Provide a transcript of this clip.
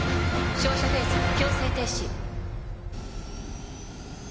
照射フェーズ強制停止。